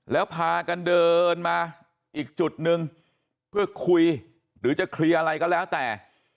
แล้วพากันเดินมาอีกจุดนึงเพื่อคุยหรือจะเคลียร์อะไรก็แล้วแต่